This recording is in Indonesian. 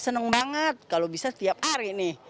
senang banget kalau bisa setiap hari nih